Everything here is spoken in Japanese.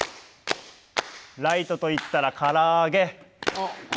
ライトと言ったらからあげ。